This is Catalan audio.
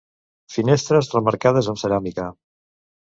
Finestres remarcades amb ceràmica.